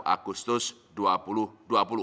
bank indonesia juga akan memperkuat bauran kebijakan